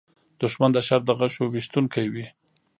دښمن د شر د غشو ویشونکی وي